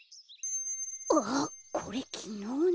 あっこれきのうの。